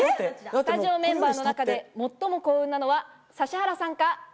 スタジオメンバーの中で最も幸運なのは指原さんか？